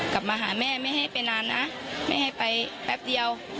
กลับมาหาแม่ไม่ให้ไปนานนะไม่ให้ไปแป๊บเดียว